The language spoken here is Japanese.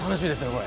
これ。